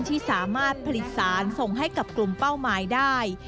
ที่สามารถผลิตสารส่งให้กับกลุ่มเป้าหมายได้